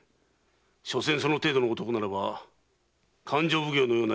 しょせんその程度の男ならば勘定奉行のような要職は勤まるはずがない。